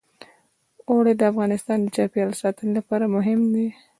اوړي د افغانستان د چاپیریال ساتنې لپاره مهم دي.